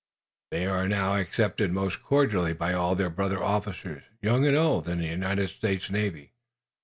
They are now accepted most cordially by all their brother officers, young and old, in the United States Navy.